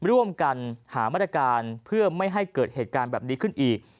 ร่วมกันหามาตรการเพื่อไม่ให้เกิดเหตุการณ์แบบนี้ขึ้นอีก